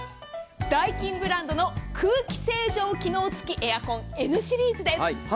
ダイキンブランドの空気清浄機能つきＮシリーズです。